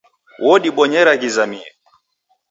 Wodibonyera ghizamie.